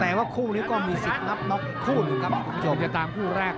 แต่ว่าคู่นี้ก็มีสิทธิ์นับน็อกคู่หนึ่งครับครูโน้ง